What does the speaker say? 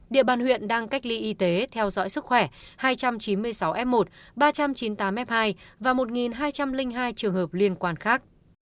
địa bàn huyện đang cách ly y tế theo dõi sức khỏe hai trăm chín mươi sáu f một ba trăm chín mươi tám f hai và một hai trăm linh hai trường hợp liên quan khác